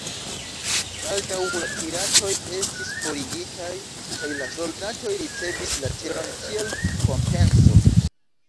Baldaŭ la piratoj estis forigitaj kaj la soldatoj ricevis la teron kiel kompenso.